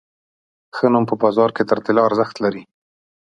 ښه نوم په بازار کې تر طلا ارزښت لري.